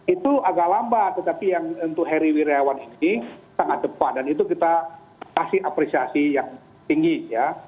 itu agak lambat tetapi yang untuk heri wirawan ini sangat cepat dan itu kita kasih apresiasi yang tinggi ya